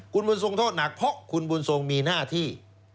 คุณบุญทรงโทษหนักเพราะคุณบุญทรงมีหน้าที่